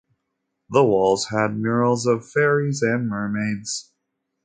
The walls had murals of fairies and mermaids.